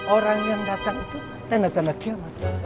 orang yang datang itu tanda tanda kiamat